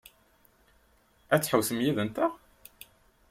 Ad tḥewwsem yid-nteɣ?